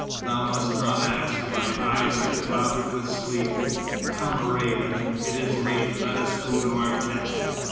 Thou must not ask. My eyes are clouded with sleep. Come Ourïeda, it is late. Let us go to our tent."